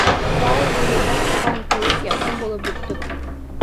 Ике ай буйы бер туған кеүек яҡын булып бөттөк.